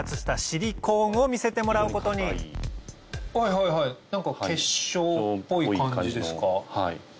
はいはい何か結晶っぽい感じですか。